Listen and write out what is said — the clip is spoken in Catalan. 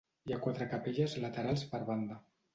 Hi ha quatre capelles laterals per banda.